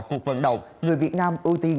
cuộc vận động người việt nam ưu tiên